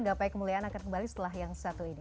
gapai kemuliaan akan kembali setelah yang satu ini